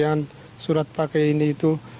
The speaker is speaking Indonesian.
yang surat pakai ini itu